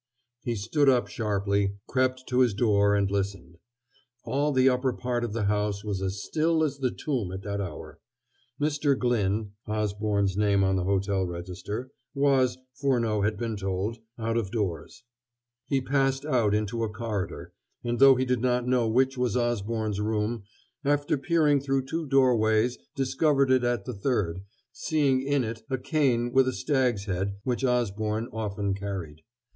He stood up sharply, crept to his door, and listened. All the upper part of the house was as still as the tomb at that hour. Mr. Glyn Osborne's name on the hotel register was, Furneaux had been told, out of doors. He passed out into a corridor, and, though he did not know which was Osborne's room, after peering through two doorways discovered it at the third, seeing in it a cane with a stag's head which Osborne often carried.